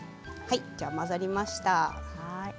混ざりました。